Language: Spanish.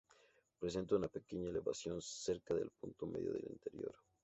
Presenta una pequeña elevación cerca del punto medio del interior.